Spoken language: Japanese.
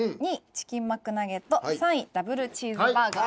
チキンマックナゲット３位ダブルチーズバーガー。